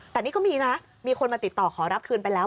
แต่นี่ก็มีนะมีคนมาติดต่อขอรับคืนไปแล้ว